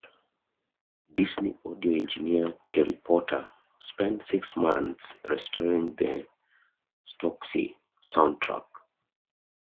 Disney audio engineer Terry Porter spent six months restoring the Stokowski soundtrack.